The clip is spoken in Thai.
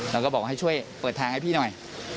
เราก็บอกให้ช่วยเปิดทางให้พี่หน่อย